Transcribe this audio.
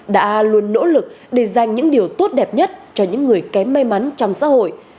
đã luôn nỗ lực để dành những điều tốt đẹp nhất cho những người kém may mắn trong xã hội